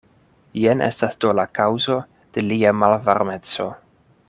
Jen estas do la kaŭzo de lia malvarmeco.